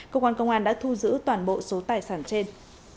cơ quan công an đã thu giữ toàn bộ số tài sản trên